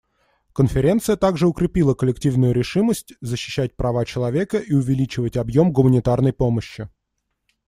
Конференция также укрепила коллективную решимость защищать права человека и увеличивать объем гуманитарной помощи.